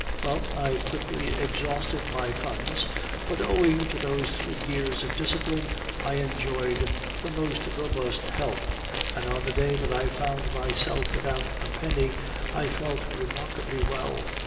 "Well, I quickly exhausted my funds, but owing to those three years of discipline, I enjoyed the most robust health, and on the day that I found myself without a penny I felt remarkably well.